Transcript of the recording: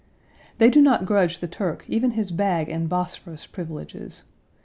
They do not grudge the Turk even his bag and Bosphorus privileges.